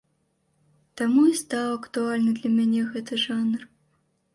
Таму і стаў актуальны для мяне гэты жанр.